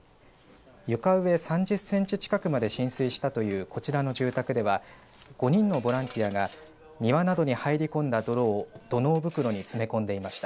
床上３０センチ近くまで浸水したというこちらの住宅では５人のボランティアが庭などに入り込んだ泥を土のう袋に詰め込んでいました。